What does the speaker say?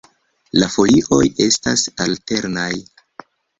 La folioj estas alternaj.